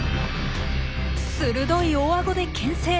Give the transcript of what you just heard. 鋭い大アゴでけん制。